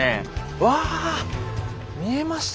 うわ見えましたよ。